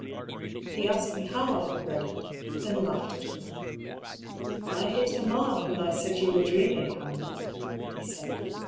He asked me how I had read it; then laughed at me. " I hit the mark when I said you were dreaming, Hamlet," he said.